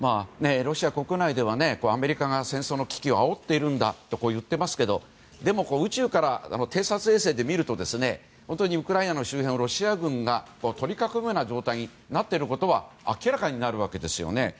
ロシア国内ではアメリカが戦争の危機をあおっているんだと言っていますがでも宇宙から偵察衛星で見ると本当にウクライナの周辺をロシア軍が取り囲むような状態になっているのは明らかになるわけですね。